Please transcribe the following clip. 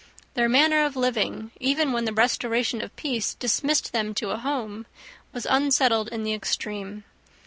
Their manner of living, even when the restoration of peace dismissed them to a home, was unsettled in the extreme.